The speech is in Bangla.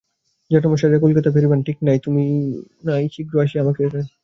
জেঠামশায়রা কবে কলিকাতায় ফিরিবেন, ঠিক নাই–তুমি শীঘ্র আসিয়া আমাকে এখান হইতে লইয়া যাও।